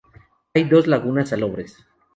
Hay dos lagunas salobres.